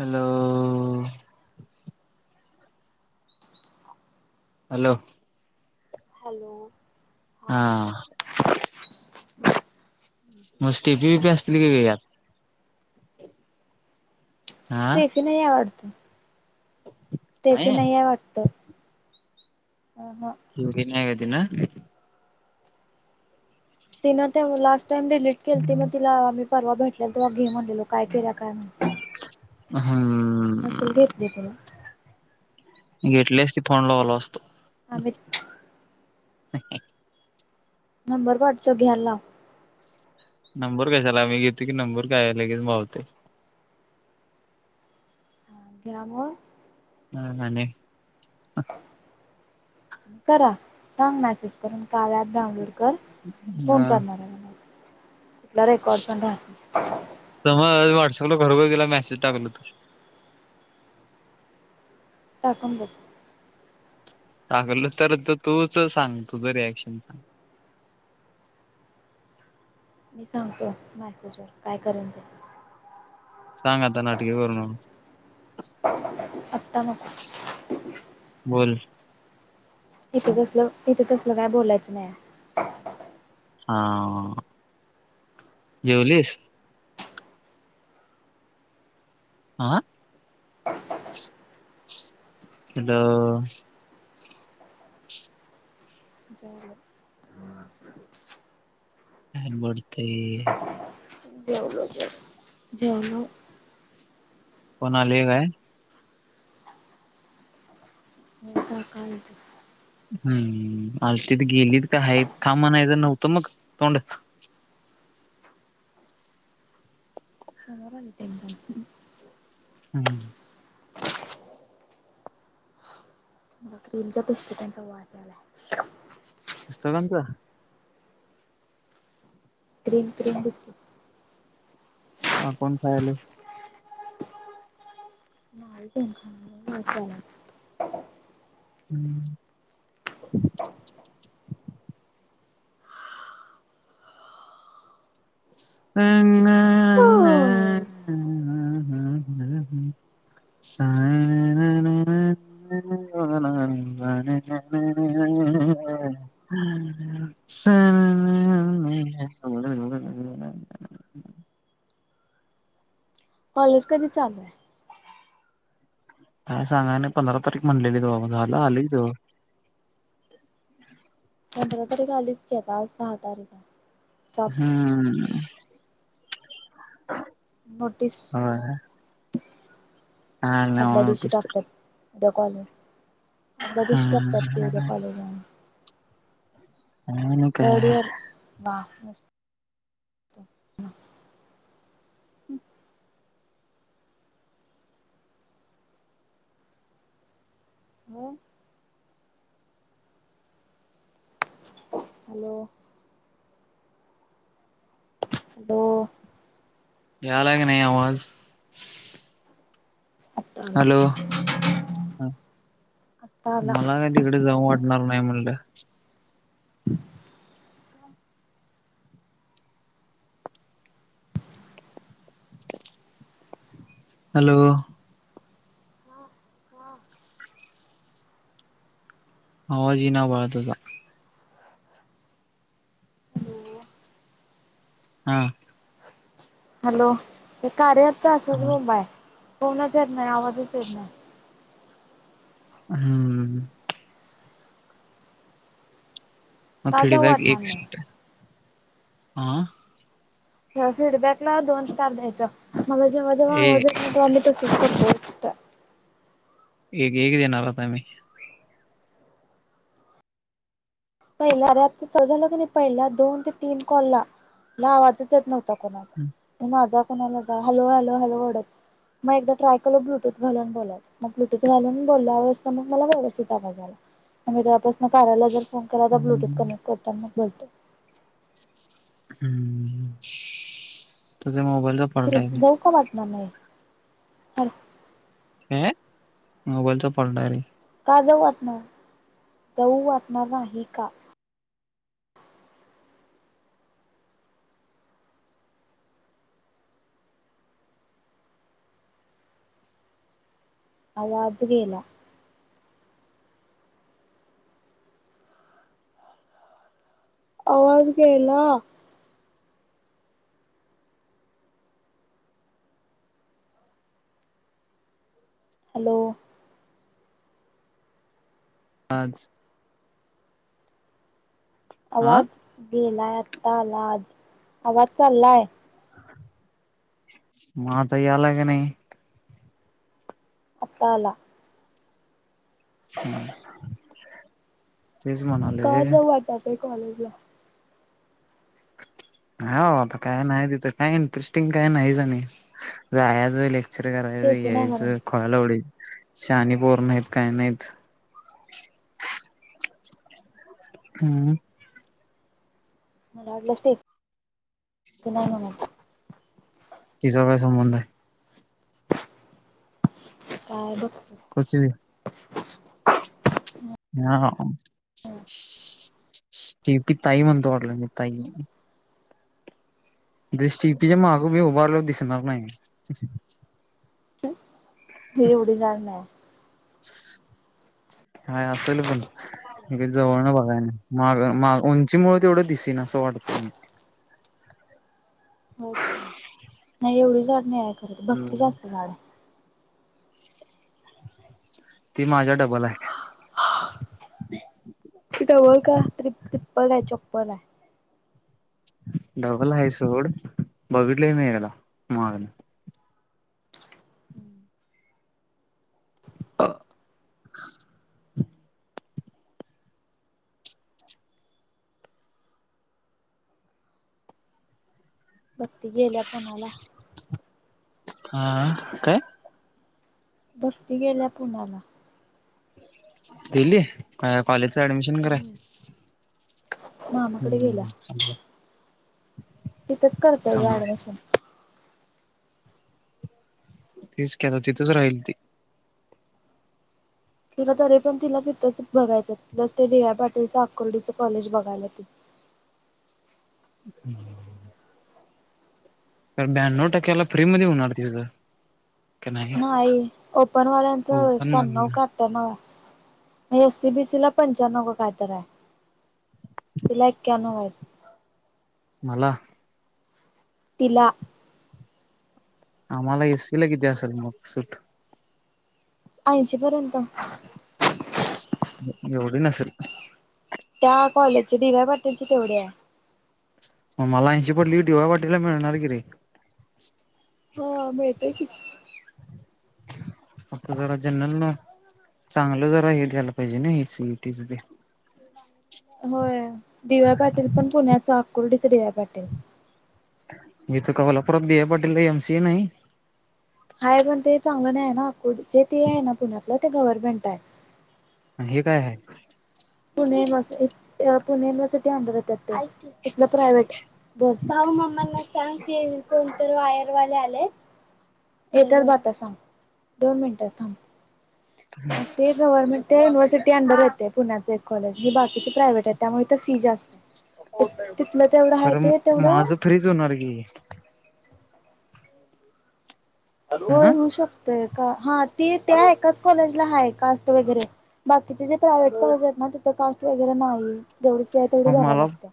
Hello [inaudible] hello हाअ [inaudible] मग स्टेपी BP असतील का का यात हा स्टेफी नाही आवडत स्टेफी नाही आहे वाटत [inaudible] येनार काय तिन तिवला थाम डिलीट केती मग तिला आम् परवा भेटल्या तेव्हा घेमनलेलो काय केल्या काय नाही नसेल घेतली तिनं हम्म घेतलेच ती फोन लावल असतो अमित नाके नंबर वाठचा घ्याल लाव नंबर कशाला मी घेतो की नंबर काय लगेच गावतेय याम न ने करा सांग मेसेज करून काल ॲप डाउनलोड कर फोन करणारऱ आहे आता रेकॉर्ड पण दाब सगळं घरोघरी गेला मेसेज टाकल त टाकून बघ सगल तर तूच सांग तुझ रिॲक्शन सांग मी सांगतो मॅसेजर काय करेन ते सांग आता नाटकी करू नको आत्ता नको बोल इथं कसलं इथं तसल काय बोलायचं नाही आ जेवलीस आा हॅलो जेवलो काय बोलतय जेवलो जेव जेवलो कोणा आलय काय काका आहेत हम् आलतीत गेलीत का हायत थांब म्हणायचं नव्हतं मग तोंड [inaudible] हम्म क्रीमचा पसपेटांचा वास यालाय [inaudible] ग्रीन क्रीम बिस्किट का कोण खायलय [unintelligible] हम्म हो [inaudible] स न वन वणन हमं सन कॉलेज कधी चालू हाय काय सांगाय नाही पंधरा तारीख म्हणलेलीत बाबा झाल आल की जवळ पंधरा तारीख आलीच घकी आता आज सहा तारीख हाय हम्म अ नोटीस हा न वा नटस्र द कॉलर आदल्या दिवशी टाकत्यात की उद्या कॉलेज हाय म्हणून आणि काय थर्ड इयर, बा मस्त. मुम हॅलो! हॅलो! यालाय काय नाही आवाज? आत्ता आला हॅलो! आत्ता आला मला काय तिकडं जाऊ वाटणार नाही म्हणलं. हॅलो! आवाज इना बाळ तुझा हॅलो हा! हॅलो! हे कार्य अँप च हा असचं बोमबाय. फोनच येत नाही आवाजच येत नाही. हम्म! मग का जाऊ फीडबॅक वाटणार एक नाही. शी आ ह्या फीडबॅक ला दोन स्टार द्यायचा. मला जेव्हा-जेव्हा ए आवाज येत नाही तेव्हा मी तसंच करतोय. [inaudible] एक-एक देणार आता मी. पहिल्या रॅप चं चालू झालं कने पहिल्या दोन ते तीन कॉल ला ला आवाज येत नव्हता. कुणाचा माझा हॅलो-हॅलो-हॅलो! ओरडत मग एक ट्राय कलो ब्लूटूथ घालून बोलायचं. मग ब्लूटूथ घालून बोलल्यावर मग मला व्यवस्थित आवाज आला. आणि जर तेव्हापासून कानाला जर ब्लूटूथ कनेक्ट हम्म करताना बोलते. हम्म तुझ्या मोबाईलवर पाडून टाकीन. नाई काय? मोबाईलचा फॉल्ट डायरेक्ट मला जाऊ वाटणार. जाऊ वाटणार नाही का? आवाज गेला. आवाज गेला. हॅलो आज हा आवाज गेलाय आ तालाआज आवाज चाललाय. माझा यालाय काय नाही? आत्ता आला. हम्म तेच का म्हणालोय जाऊ वाटत आहे कॉलेजला नाहीबाबा काय आता काय नाही तिथं काय इंटरेस्टिंग काय नाही आणि जायाचा लेक स्टेफी नाही म्हणून [unintelligible] शानी पोर नाहीत काय नाहीत. हम्म. मला वाटलं स्टेफी [inaudible] तिचा काय संबंध हाय? काय बग कुच भी हा स्टेपी ताई म्हणतो मी ताई त्या स्टेपी च्या मग मी उभारलो की दिसणार नाही. ती एवढी जाड नाही. काय असल पण मी जवळन बघाय ना मागून उंचीमुळे तेवढं दिसेन असं वाटतय मी नाही एवढी जाड नाहीये. भक्ती हम्म जास्त जाड हाय. ती माझ्या डबाल हाय. डबल काय चोबल हाय. डबल हाय सोड बघितले नाही याला माग [unintelligible] भक्ती गेल्या पुण्याला हा हा काय? भक्ति गेल्या पुण्याला गेली काय कॉलेज ऍडमिशन कराय मामाकड गेल्या. हम्म चांगलं तिथंच करत्या की चांगलं आहे ॲडमिशन तेच की आता तिथचं राहील ती. तिला तरी पण तिला तिथंच बघायचं जस ते डी वाय पाटीलच आकुर्डीच कॉलेज बघयल्या. [unintelligible] तर ब्याण्णव टक्क्याला फ्री मध्ये होणार तिज नाही ओपन वाल्यांचं ओपन श्यानव मधन का आठ्यांनव हाय. एससी बीसी ला पंच्याणव का काय तर आहे तिला एक्यांनव आहेत. मला तिला आम्हाला एस्सी ला किती असल मग सूट? ऐंशी पर्यंत एवढी नसल त्या कॉलेजचे डी वाय पाटील च तेवढी आहे. मला ऐंशी पडली डी वाय पाटील ला मिळणार कि रे. हो मिळतंय की. फक्त जरा जनरल नाॅलेज चांगलं जरा हे द्यायला पाहिजे ना हे सीटी बीटी च ते होय डी वाय पाटील पण पुण्याचा आकुर्डी च डी वाय पाटील मी कावलापुरात D Y Patil M CA नाही. हाय पण ते चांगलं नाही ना आकुर्डीच ते आहे ना पुण्यातलं ते गव्हर्नमेंट आहे. हे काय आहे? पुणे युनिव्हर्सिटीत, पुणे युनिव्हर्सिटीत, [inaudible] तिथलं प्रायव्हेट बर भाऊ मामांना सांग कि कोणतर वायरवाले आलेत ते [unintelligible] दोन मिनटात थांब मग ते गव्हरमेंट युनिव्हर् सिटी अंडर येते पुण्याचे एक कॉलेज हे बाकीचे प्रायव्हेट आहे त्यामुळे इथ फी जास्तय कारण माझं फ्रीच होणार की होय ह होऊ शकतय हा ती त्या एकाच कॉलेजला आहे कास्ट वगैरे बाकीचे जे प्रायव्हेट कॉलेज आहेत ना तिथं कास्ट वगैरे नाही जेवढी फी आहे, तेवढी भरायला मला लागते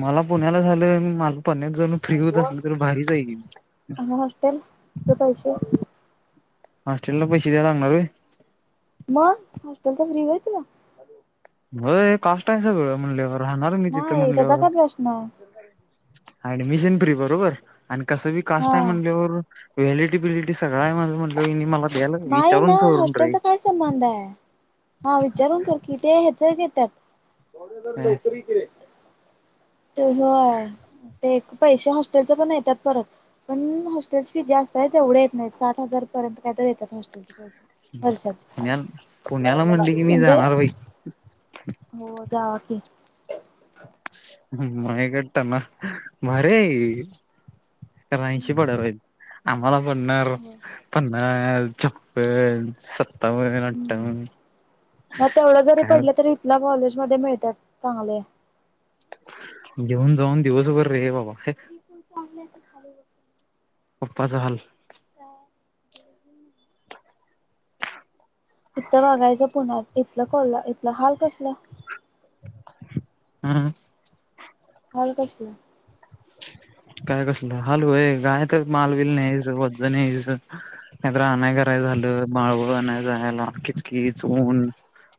मला पुण्याला झालं माल पुण्यात जर मी फ्री होत असल तरी भारीच आहे मी आणि हॉस्टेल ते पैसे हॉस्टेल ला पैसे द्यायला लागणार होय. मग हॉस्टेल तर फ्री होय तुला होय [unintelligible] सगळं म्हणल्यावर राहणार मी तिथं नाही त्याचा म्हणल्यावर काय प्रश्न आहे. ऍडमिशन फ्री बरोबर. आणि कसं बी काष्ट आहे हा म्हणल्यावर व्हॅलिटी बिलिटी स नाही ना सवरून रे हॉस्टेलचा काय संबंध आहे हा विचारून कर की ते हेच तर भावड्या जरा काय लवकर इकडे ये ते होय ते पैसे हॉस्टेलच पण येतात परत पण हॉस्टेल फीस जास्त आहे पण तेवढे येत नाही साठ हजार पर्यंत काय तरी येतात परत. हर्षद पुण्याला पुण्याला वायरमन म्हणली की आलेले मी म्हणजे जाणार बाई हो जावा की मायग्टना भारी हाय की [unintelligible] का ऐंशी पडेल आहेत. आम्हाला कोणीनाही राव पण हा चप्पल स [inaudible] हम्म बहुतेक मिळतात चांगले. घेऊन जाऊन दिवसभर रे हे बाबा. पप्पांचा हाल काय? इथ वाघायच पुण्यात इथल कोल्हा इथलं हाल कसल? हम्म, हम्म, हॉल कसली [unintelligible] काय कसलं हलू होय गावात तर मालबिल न्यायच वज न्यायच नाहीत आणय कराय झालं बाळव आणायला जायला किचकिच ऊन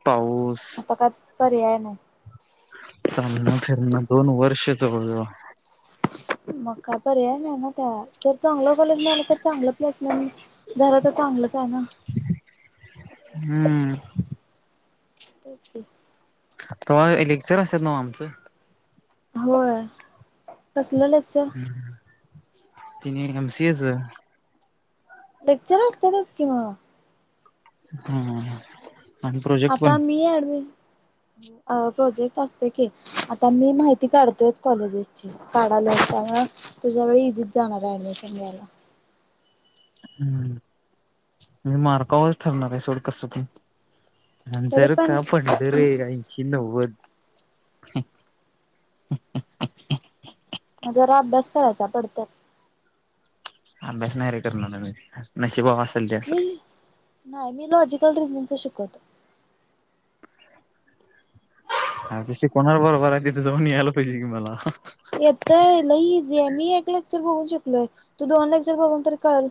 पाऊस आता काय पर्याय नाही चालणं फिरणं दोन वर्ष जवळ जवळ मग काय पर्याय नाही ना त्या जर चांगलं कॉलेज मिळाल तर चांगलं प्लेसमेंट झाल तर चांगलंच आहे ना हम्म [unintelligible] तेव्हा लेक्चर असत ना आमचं होय कसलं लेक्चर? ति एम सीएच लेक्चर असतातच कि मग. ह ह आता मी आडवी. अ प्रोजेक्ट असते की आता मी माहिती काढतोय कॉलेजेसची काढालोय त्यामुळे तुझ्या वेळी इजी जाणार आहे ऍडमिशन घ्यायला हम् म्हणजे मार्कावर ठरणार आहे सोड कस ते. अ तरी जर का पण पडलं रे ऐंशी नव्वद. [unintelligible] जरा अभ्यास करायचा पडत्यात. अभ्यास नाही करनार मी नशिबा वर असणं मी नाही मी. लॉजिकल रिझनच शिकवतो. हा तशी कोणा बरोबर आहे तिथे जाऊन यायला पाहिजे. कि मला येतय लई [unintelligible] बघून शिकलोय तू दोनला लेक्चर बघून तर कर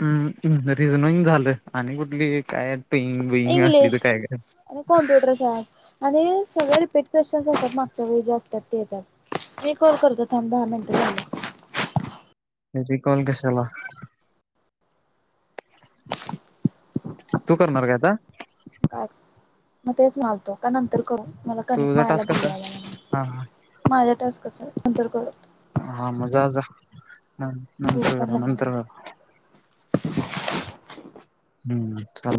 हम्म रिज रिंग झालं आणि कुठली काय. पंग बईंग असली तर इंग्लिश काय काय. आणि कॉम्प्युटर सायन्स आणि सगळे रिपीट क्वेश्चन्स असतात मागच्या वे जे असतात ते येतात मी कॉल करते थांब दहा मिनटं झाले. री कॉल कशाला. तू करणार काय आता. काय मी तेच म्हणालतो काय नंतर करू. मला कनेक्ट तुझा म्हळायला टास्कच आहे? भलाला हा माझ्या टस्कच अंतर करत हा मजा आज ह भूक नंतर पण बरा लागल्या मला नंतर बरा हम्म चा